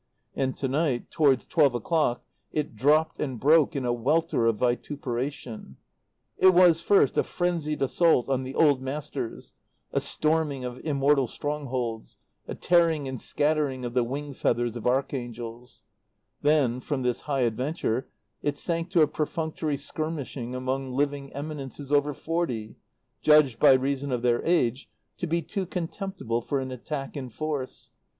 And to night, towards twelve o'clock, it dropped and broke in a welter of vituperation. It was, first, a frenzied assault on the Old Masters, a storming of immortal strongholds, a tearing and scattering of the wing feathers of archangels; then, from this high adventure it sank to a perfunctory skirmishing among living eminences over forty, judged, by reason of their age, to be too contemptible for an attack in force.